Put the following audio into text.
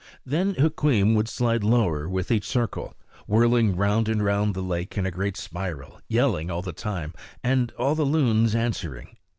Then Hukweem would slide lower with each circle, whirling round and round the lake in a great spiral, yelling all the time, and all the loons answering.